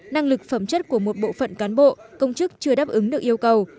năng lực phẩm chất của một bộ phận cán bộ công chức chưa đáp ứng được yêu cầu